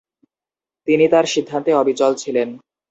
তিনি তার সিদ্ধান্তে অবিচল ছিলেন।